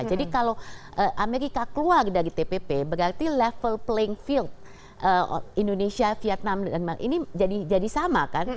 jadi kalau amerika keluar dari tpp berarti level playing field indonesia vietnam dan malaysia ini jadi sama kan